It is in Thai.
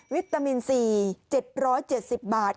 วิตามิน๔๗๗๐บาท